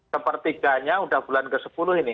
sepertiganya udah bulan ke sepuluh ini